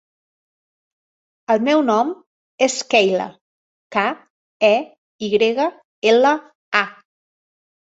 El meu nom és Keyla: ca, e, i grega, ela, a.